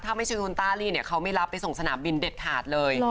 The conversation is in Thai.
ถ้าไม่ใช่คุณต้าลี่เนี่ยเขาไม่รับไปส่งสนามบินเด็ดขาดเลย